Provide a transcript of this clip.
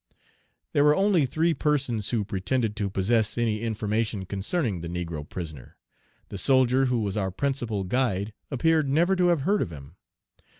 There were only three persons who pretended to possess any information concerning the negro prisoner. The soldier who was our principal guide appeared never to have heard of him.